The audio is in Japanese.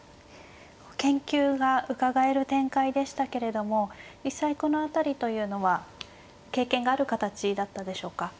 研究がうかがえる展開でしたけれども実際この辺りというのは経験がある形だったでしょうか。